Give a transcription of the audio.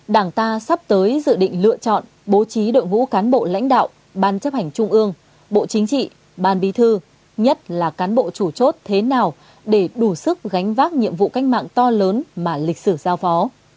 đảng ta sắp tới dự định lựa chọn bố trí đội ngũ cán bộ lãnh đạo ban chấp hành trung ương bộ chính trị ban bí thư nhất là cán bộ chủ chốt thế nào để đủ sức gánh vác nhiệm vụ cách mạng to lớn mà lịch sử giao phó